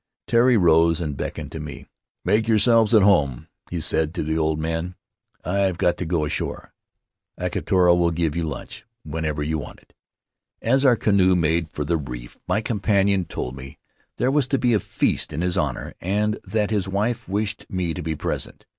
Tari rose and beckoned to me. "Make yourselves at home," he said to the old men; "I've got to go ashore. Akatara will give you lunch whenever you want it." As our canoe made for the reef my companion told me there was to be a feast in his honor, and that his wife wished me to be present.